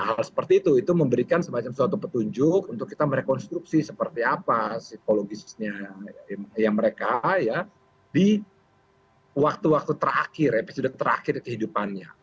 hal seperti itu itu memberikan semacam suatu petunjuk untuk kita merekonstruksi seperti apa psikologisnya mereka ya di waktu waktu terakhir episode terakhir kehidupannya